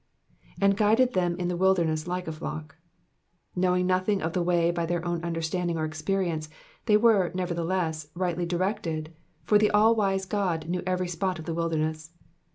''^And guided them in the wilderness like a flock.'''' Knowing nothing of the way by their own understanding or experience, they were, never theless, rightly directed, for the All wise God knew every spot of the wilder ness.